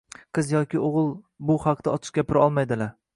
qiz yoki o‘g‘il bu haqda ochiq gapira olmaydilar.